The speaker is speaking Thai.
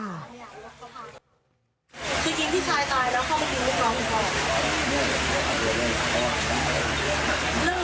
คือจริงที่ชายตายแล้วเขามาดูลูกน้องก่อน